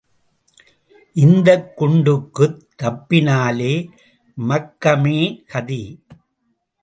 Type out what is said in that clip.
இந்தக் குண்டுக்குத் தப்பினாலே மக்கமே கதி.